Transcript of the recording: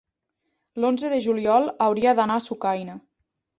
L'onze de juliol hauria d'anar a Sucaina.